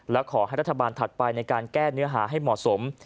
และขอให้รัฐบาลถัดไปในการแก้เนื้อหาให้เหมาะสม